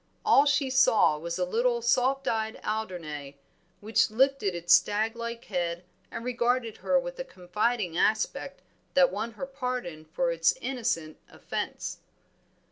All she saw was a little soft eyed Alderney, which lifted its stag like head, and regarded her with a confiding aspect that won her pardon for its innocent offence.